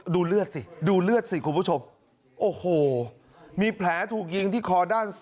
ดูเลือดสิดูเลือดสิคุณผู้ชมโอ้โหมีแผลถูกยิงที่คอด้านซ้าย